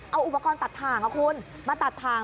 เอาอุปกรณตัดทางกับคุณมาตัดทาง